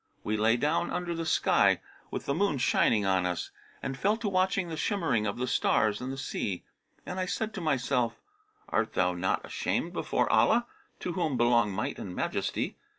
We lay down under the sky, with the moon shining on us, and fell to watching the shimmering of the stars in the sea: and I said to myself, 'Art thou not ashamed before Allah (to whom belong Might and Majesty!)